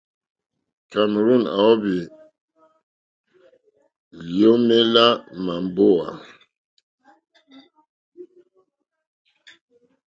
Cameroon à óhwì lyǒmélá màmbówà.